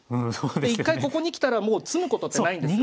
一回ここに来たらもう詰むことってないんですよ。